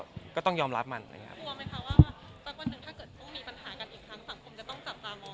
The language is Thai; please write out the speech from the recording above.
สังคมจะต้องจับตามองอีก